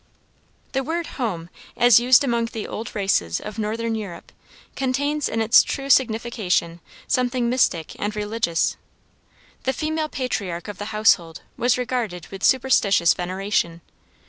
The word "home," as used among the old races of Northern Europe, contains in its true signification something mystic and religious. The female patriarch of the household was regarded with superstitious veneration.